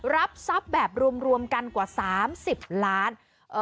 รับทรัพย์แบบรวมกันกว่า๓๐ล้าน